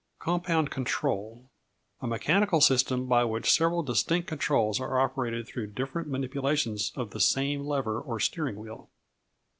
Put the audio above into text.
Compound Control A mechanical system by which several distinct controls are operated through different manipulations of the same lever or steering wheel.